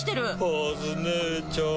カズ姉ちゃん。